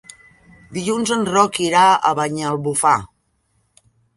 Dilluns en Roc irà a Banyalbufar.